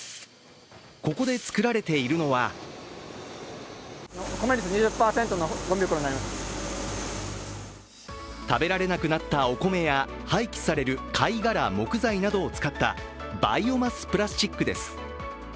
ここで作られているのは食べられなくなったお米や廃棄される貝殻・木材などを使ったバイオマスプラスチックです。